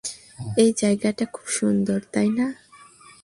এই জায়গাটা খুব সুন্দর, তাই না?